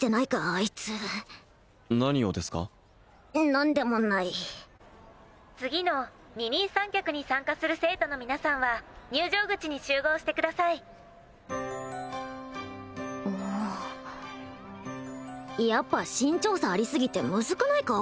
あいつ何をですか何でもない次の二人三脚に参加する生徒の皆さんは入場口に集合してくださいやっぱ身長差ありすぎてムズくないか？